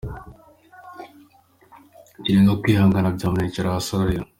Kirenga kwihangana byamunaniye yicara hasi ararira.